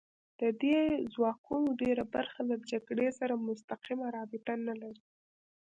د دې ځواکونو ډېره برخه له جګړې سره مستقیمه رابطه نه لري